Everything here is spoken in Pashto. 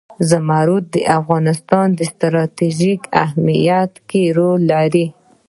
زمرد د افغانستان په ستراتیژیک اهمیت کې رول لري.